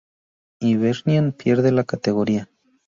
Hibernian pierde la categoría.